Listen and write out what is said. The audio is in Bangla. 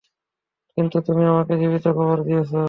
কিন্তু তুমি আমাকে জীবিত কবর দিয়েছ।